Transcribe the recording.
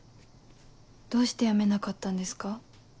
どうして辞めなかったんですか？